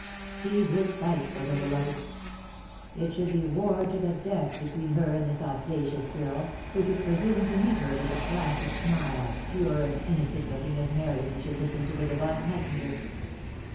She would fight for her beloved. It should be war to the death between her and this audacious girl, who could pre sume to greet her with a placid smile, pure and in nocent looking as Mary when she listened to the Divine Messenger.